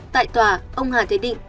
tại tòa ông hà thế định